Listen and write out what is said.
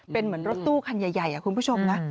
เป็นเหมือนรถตู้คันใหญ่คุณผู้ชมนะ